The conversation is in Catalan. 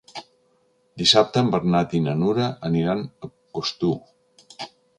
Dissabte en Bernat i na Nura aniran a Costur.